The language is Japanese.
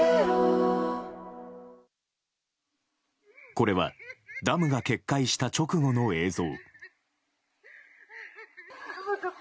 これはダムが決壊した直後の映像。